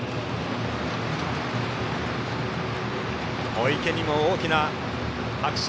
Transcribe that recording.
小池にも大きな拍手。